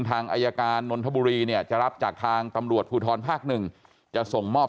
ทางอายการนนทบุรีเนี่ยจะรับจากทางตำรวจภูทรภาคหนึ่งจะส่งมอบ